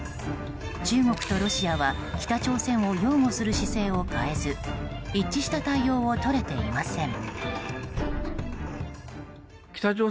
中国とロシアは北朝鮮を擁護する姿勢を変えず一致した対応をとれていません。